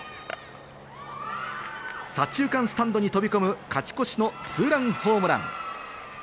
左中間スタンドに飛び込む勝ち越しのツーランホームラン。